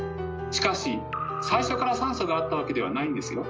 しかし最初から酸素があったわけではないんですよ。